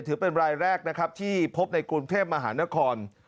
ถือเป็นรายแรกนะครับที่พบในกรุงเทพมหานคร